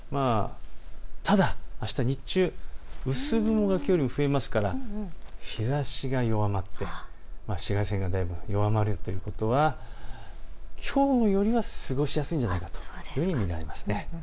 ただ、あした日中、薄雲がきょうよりも増えますから日ざしが弱まって紫外線がだいぶ弱まるということはきょうよりは過ごしやすいのではないかというふうに見られます。